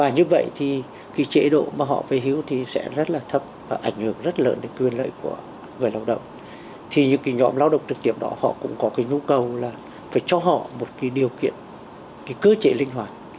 nhóm lao động trực tiếp đó họ cũng có nhu cầu là phải cho họ một điều kiện cơ chế linh hoạt